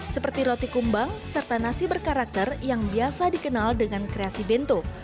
seperti roti kumbang serta nasi berkarakter yang biasa dikenal dengan kreasi bento